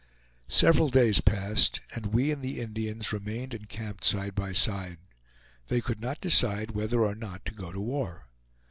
Several days passed and we and the Indians remained encamped side by side. They could not decide whether or not to go to war.